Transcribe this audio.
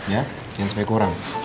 ya jangan sampai kurang